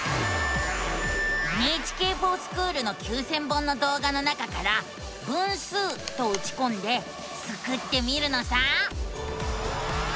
「ＮＨＫｆｏｒＳｃｈｏｏｌ」の９，０００本の動画の中から「分数」とうちこんでスクってみるのさ！